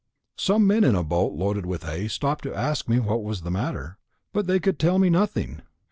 Some men in a boat loaded with hay stopped to ask me what was the matter, but they could tell me nothing.